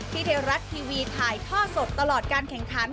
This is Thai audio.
ที่เทรัตต์ทีวีถ่ายท่อสดตลอดการแข่งทั้ง